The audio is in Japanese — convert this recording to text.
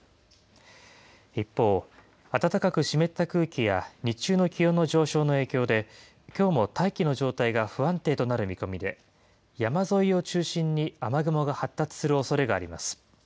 一方、暖かく湿った空気や日中の気温の上昇の影響で、きょうも大気の状態が不安定となる見込みで、山沿いを中心に雨雲が発達するおそれがあります。